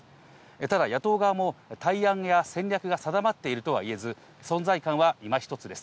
ただ野党側も対案や戦略が定まっているとは言えず、存在感が今ひとつです。